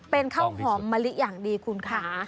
เป็นข้าวหอมมะลิอย่างดีคุณค่ะ